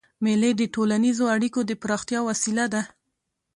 مېلې د ټولنیزو اړیکو د پراختیا وسیله ده.